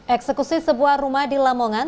eksekusi sebuah rumah di lamongan